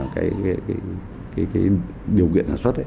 cái điều kiện sản xuất